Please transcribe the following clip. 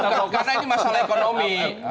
bukan karena ini masalah ekonomi